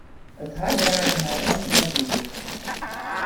It hart draaide my om yn it liif.